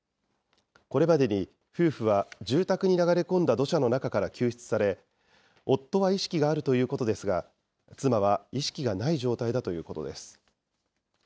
これまでに夫婦は住宅に流れ込んだ土砂の中から救出され、夫は意識があるということですが、妻は意識がない状態だということです。